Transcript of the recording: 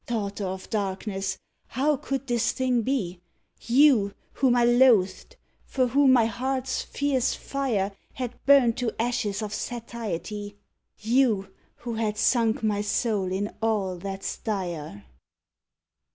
Daughter of darkness! how could this thing be? You, whom I loathed! for whom my heart's fierce fire Had burnt to ashes of satiety! You, who had sunk my soul in all that's dire!